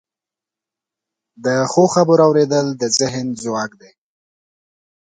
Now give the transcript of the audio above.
د ښو خبرو اوریدل د ذهن ځواک دی.